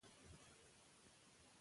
خو حق اخیستل کیږي.